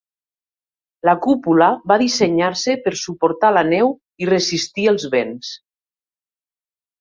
La cúpula va dissenyar-se per suportar la neu i resistir els vents.